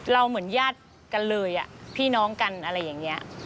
เหมือนญาติกันเลยพี่น้องกันอะไรอย่างนี้